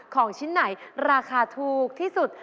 ของชิ้นไหนราคาถูกที่สุด